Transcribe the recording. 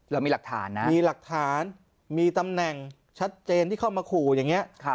เรามีหลักฐานนะมีหลักฐานมีตำแหน่งชัดเจนที่เข้ามาขู่อย่างนี้